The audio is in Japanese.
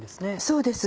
そうです。